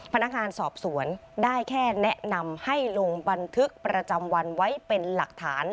พนักงานสอบสวนได้แค่แนะนำให้ลงบันทึกประจำวันไว้เป็นหลักฐาน